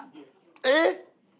えっ！